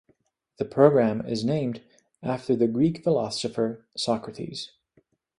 The programme is named after the Greek philosopher Socrates.